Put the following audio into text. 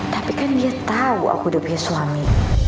tapi kan dia tahu aku udah punya suami